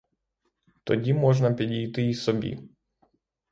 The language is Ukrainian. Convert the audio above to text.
Тоді можна підійти й собі.